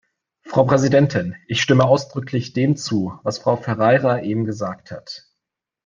Frau Präsidentin, ich stimme ausdrücklich dem zu, was Frau Ferreira eben gesagt hat.